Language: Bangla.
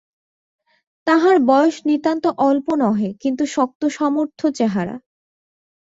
তাঁহার বয়স নিতান্ত অল্প নহে, কিন্তু শক্তসমর্থ চেহারা।